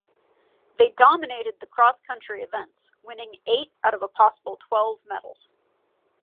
They dominated the cross-country events, winning eight out of a possible twelve medals.